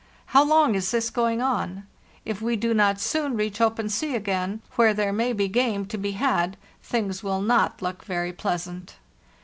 How long is this going on? If we do not soon reach open sea again, where there may be game to be had, things will not look very pleasant.